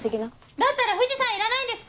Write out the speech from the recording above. だったら藤さんいらないんですか？